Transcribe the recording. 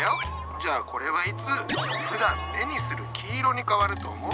じゃあこれはいつふだん目にする黄色に変わると思う？